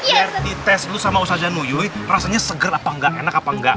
ganti tes dulu sama ustadz januyuyuh rasanya segar apa tidak enak apa tidak